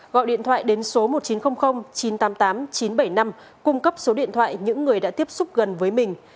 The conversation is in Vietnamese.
gọi điện thoại đến số một nghìn chín trăm linh chín trăm tám mươi tám chín trăm bảy mươi năm cung cấp số điện thoại những người đã tiếp xúc gần với mình